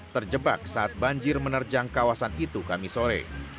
terjebak saat banjir menerjang kawasan itu kami sore